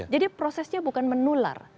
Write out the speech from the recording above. jadi prosesnya bukan menular